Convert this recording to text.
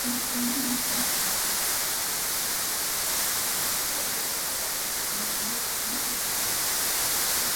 na matambiko ya kila aina iwe ni kuondoa mikosineema nakadhalikaHapa si lazima